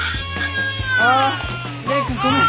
ああ蓮くんごめん。